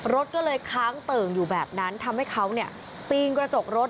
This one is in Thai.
รถก็เลยค้างเติ่งอยู่แบบนั้นทำให้เขาปีนกระจกรถ